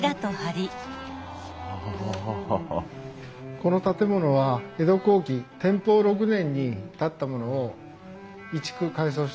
この建物は江戸後期天保６年に建ったものを移築改装したものなんです。